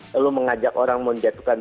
lalu mengajak orang menjatuhkan